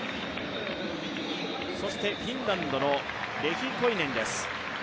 そして、フィンランドのレヒコイネンです。